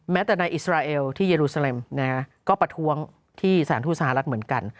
แม้แต่ในอิสราเอลที่เยอรูเซลมก็ประท้วงที่สถานทูตสหรัฐเหมือนกัน